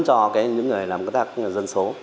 cho những người làm công tác